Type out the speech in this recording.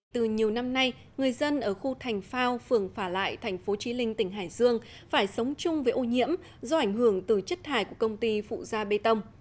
từ nhiều năm nay người dân ở khu thành phao phường phả lại thành phố trí linh tỉnh hải dương phải sống chung với ô nhiễm do ảnh hưởng từ chất thải của công ty phụ gia bê tông